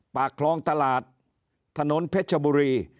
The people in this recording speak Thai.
ปากคลองตลาดถนนเพชรชบุรี